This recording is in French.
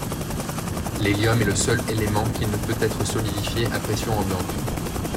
L'hélium est le seul élément qui ne peut être solidifié à pression ambiante.